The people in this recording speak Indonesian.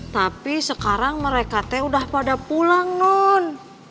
tapi sekarang mereka teh udah pada pulang non